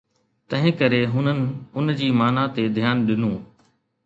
تنهن ڪري هنن ان جي معنيٰ تي ڌيان ڏنو